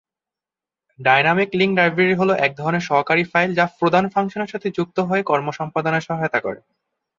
Dynamic link library হল একধরনের সহকারী ফাইল যা প্রধান ফাংশনের সাথে যুক্ত হয়ে কর্ম সম্পাদনায় সহায়তা করে।